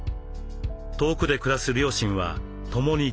遠くで暮らす両親は共に９０歳。